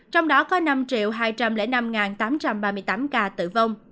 trong đó có năm hai trăm linh năm tám trăm ba mươi tám ca tử vong